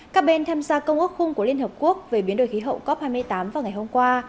các bên tham gia công ước khung của liên hợp quốc về biến đổi khí hậu cop hai mươi tám vào ngày hôm qua